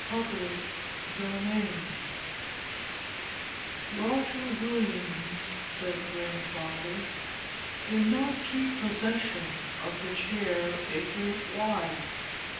Chapter IV "Roger Williams," said Grandfather, "did not keep possession of the chair a great while.